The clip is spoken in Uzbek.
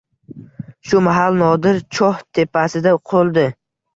Shu mahal Nodir choh tepasida qo‘ldi.